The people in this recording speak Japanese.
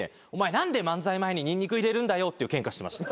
何で漫才前にニンニク入れるんだよっていうケンカしてました。